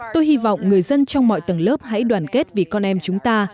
tôi hy vọng người dân trong mọi tầng lớp hãy đoàn kết vì con em chúng ta